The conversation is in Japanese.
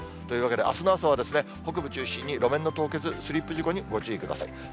というわけで、あすの朝は、北部中心に路面の凍結、スリップ事故にご注意ください。